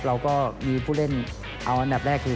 เราก็มีผู้เล่นเอาอันดับแรกคือ